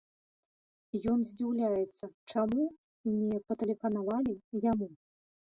Ён здзіўляецца, чаму не патэлефанавалі яму?